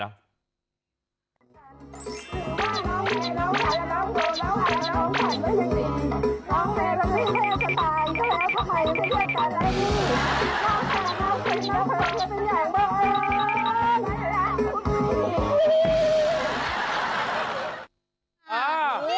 คุณคนดูมันขยับมากเลยครับ